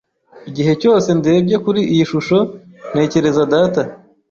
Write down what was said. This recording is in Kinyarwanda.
Igihe cyose ndebye kuri iyi shusho, ntekereza data.